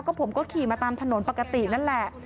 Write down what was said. ผมก็ขี่มาตามถนนปกตินั่นแหละ